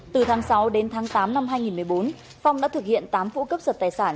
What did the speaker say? từ tháng sáu đến tháng tám năm hai nghìn một mươi bốn phong đã thực hiện tám vụ cấp giật tài sản